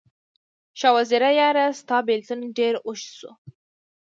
شاه وزیره یاره، ستا بیلتون ډیر اوږد شو